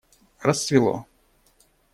Рассвело.